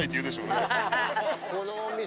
このお店。